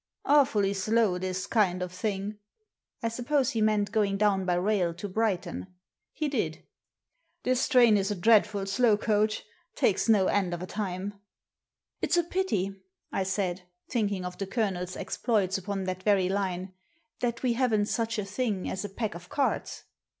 "Awfully slow this kind of thing." I suppose he meant going down by rail to Brighton. He did! ^This train is a dreadful slow coach; takes no end of a time," Digitized by VjOOQIC A PACK OF CARDS 6$ «Ifs a pity,'' I said, thinking of the Colonel's exploits upon that very line, " that we haven't such a thing as a pack of cards